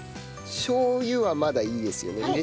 しょう油はまだいいですよね？